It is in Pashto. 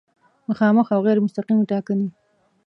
مخامخ او غیر مستقیمې ټاکنې